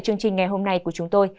chương trình ngày hôm nay của chúng tôi